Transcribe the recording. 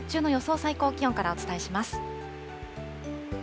最高気温からお伝えします。